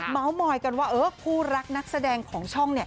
เมาเมายกันว่าผู้รักนักแสดงของช่องเนี่ย